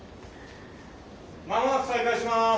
間もなく再開します。